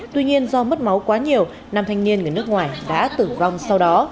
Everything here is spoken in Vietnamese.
tuy nhiên do mất máu quá nhiều nam thanh niên người nước ngoài đã tử vong sau đó